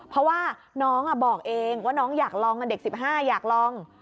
เพราะว่าน้องบอกเองว่าน้องอยากลองเด็ก๑๕อยากลอง